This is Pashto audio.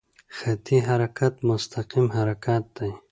خطي حرکت مستقیم حرکت دی.